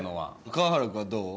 河原君はどう？